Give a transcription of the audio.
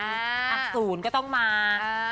อ่ะศูนย์ก็ต้องมา